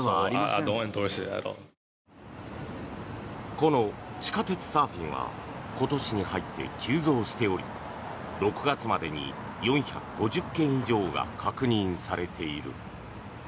この地下鉄サーフィンは今年に入って急増しており６月までに４５０件以上が確認されている。